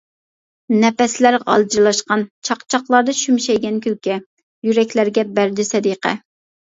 نەپەسلەر غالجىرلاشقان چاقچاقلاردا شۈمشەيگەن كۈلكە، يۈرەكلەرگە بەردى سەدىقە.